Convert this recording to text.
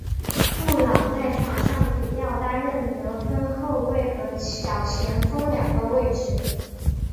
布朗在场上主要担任得分后卫和小前锋两个位置。